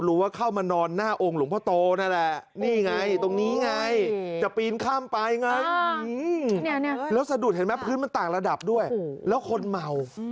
หรือว่าเข้ามานอนหน้าโอ้งหลวงพ่อโตน่ะแหละ